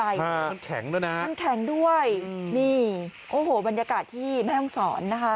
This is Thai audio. มันแข็งด้วยนะมันแข็งด้วยนี่โอ้โหบรรยากาศที่แม่ห้องศรนะคะ